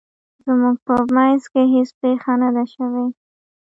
زموږ په مینځ کې هیڅ پیښه نه ده شوې